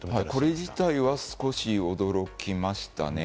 これ自体は少し驚きましたね。